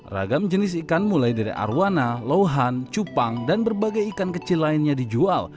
ragam jenis ikan mulai dari arowana lohan cupang dan berbagai ikan kecil lainnya dijual